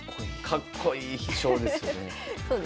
かっこいい「飛翔」ですよね。